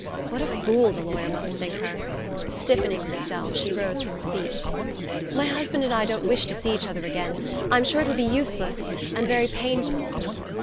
What a fool the lawyer must think her! Stiffening herself, she rose from her seat. "My husband and I don't wish to see each other again.... I'm sure it would be useless... and very painful."